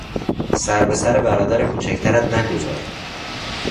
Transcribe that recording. سر به سر برادر کوچکترت نگذار!